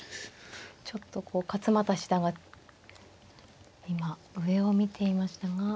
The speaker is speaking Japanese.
ちょっとこう勝又七段が今上を見ていましたが。